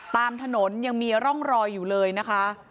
ตามถนนยังมีร่องรอยอยู่เลยนะคะ